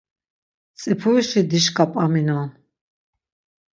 Tzipurişi dişǩa p̌aminon.